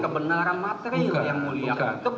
kebenaran material yang mulia